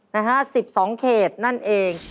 นะฮะ๑๒เขตนั่นเอง